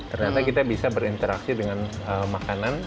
ternyata kita bisa berinteraksi dengan makanan